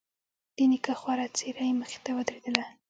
د نيکه خواره څېره يې مخې ته ودرېدله.